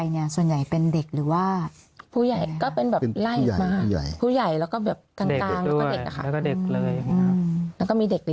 เขาลอดนะครับ